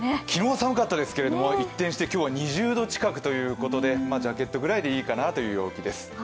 昨日寒かったですけど一転して今日は２０度近くということでジャケットぐらいでいいかなという陽気です。